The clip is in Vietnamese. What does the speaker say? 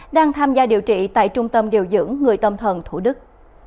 đang tham gia điều trị tại trung tâm điều dưỡng người tâm thần thủ đức